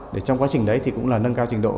để trong quá trình đấy thì cũng là nâng cao trình độ